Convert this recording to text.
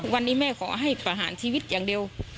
วันนี้แม่ขอให้ประหารชีวิตอย่างเดียว